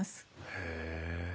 へえ。